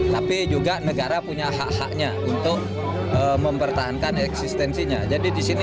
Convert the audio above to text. tapi juga negara punya hak haknya untuk mempertahankan eksistensinya